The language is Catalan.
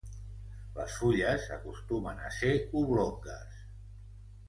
Les fulles acostumen a ser oblongues.